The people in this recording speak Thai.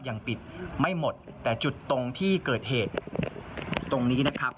ยังปิดไม่หมดแต่จุดตรงที่เกิดเหตุตรงนี้นะครับ